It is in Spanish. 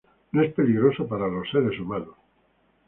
No es peligroso para los seres humanos.